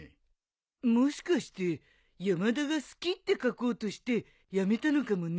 もしかして「山田が好き」って書こうとしてやめたのかもね。